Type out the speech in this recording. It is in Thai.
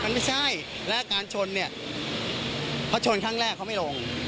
มันไม่ใช่และการชนเนี่ยเพราะชนครั้งแรกเขาไม่ลง